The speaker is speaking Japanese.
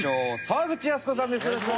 沢口靖子さんです。